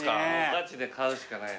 ガチで買うしかない。